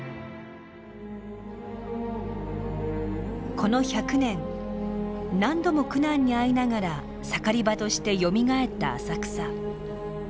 この１００年何度も苦難に遭いながら盛り場としてよみがえった浅草。